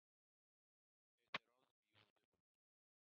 اعتراض بیهوده بود.